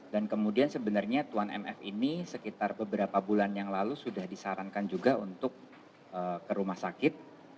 dan kemudian sebenarnya tuan mf ini sekitar beberapa bulan yang lalu sudah disarankan juga untuk ke rumah sakit